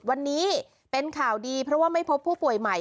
วันนี้เป็นข่าวดีเพราะว่าไม่พบผู้ป่วยใหม่